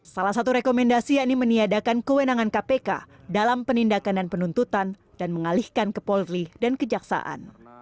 salah satu rekomendasi yang dimeniadakan kewenangan kpk dalam penindakan dan penuntutan dan mengalihkan kepolrih dan kejaksaan